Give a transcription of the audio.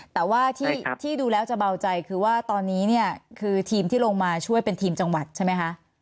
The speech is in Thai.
แต่ว่าที่ดูแล้วจะเบาใจคือว่าตอนนี้เนี่ยคือทีมที่ลงมาช่วยเป็นทีมจังหวัดใช่ไหมคะ